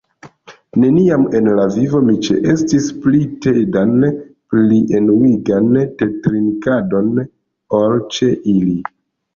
"Neniam en la vivo mi ĉeestis pli tedan pli enuigan tetrinkadon ol ĉe ili."